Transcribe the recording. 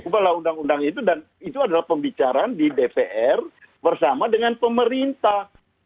ubahlah undang undang itu dan itu adalah pembicaraan di dpr bersama dengan pemerintah